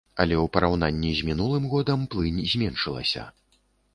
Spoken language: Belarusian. Але ў параўнанні з мінулым годам плынь зменшылася.